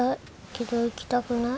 けど行きたくない。